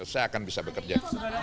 saya akan bisa bekerja